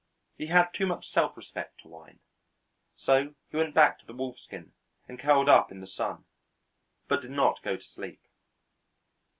He had too much self respect to whine, so he went back to the wolfskin and curled up in the sun, but did not go to sleep.